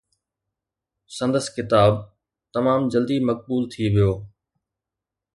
سندس ڪتاب تمام جلدي مقبول ٿي ويو.